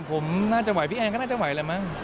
ผมน่าจะไหวพี่แอนก็น่าจะไหวแหละมั้ง